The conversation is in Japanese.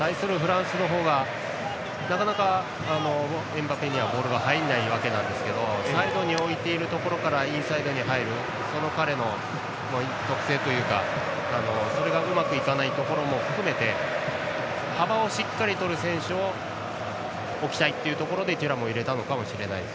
対するフランスはエムバペにボールが入りませんがサイドに置いているところからインサイドに入るその彼の特性というかそれがうまくいかないところも含めて幅をしっかり取る選手を置きたいというところでテュラムを入れたかもしれません。